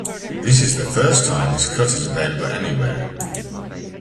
This is the first time this cut is available anywhere.